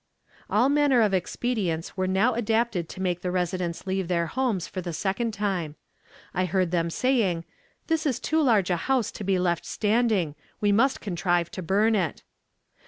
"All manner of expedients were now adopted to make the residents leave their homes for the second time. I heard them saying, 'This is too large a house to be left standing, we must contrive to burn it.'